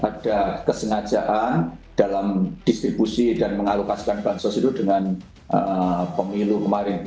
ada kesengajaan dalam distribusi dan mengalokasikan bansos itu dengan pemilu kemarin